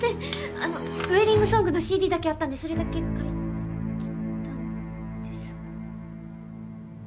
あのウェディングソングのＣＤだけあったんでそれだけ借りてきたんです。